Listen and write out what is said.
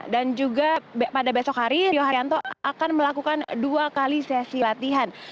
dan juga pada besok hari rio haryanto akan melakukan dua kali sesi latihan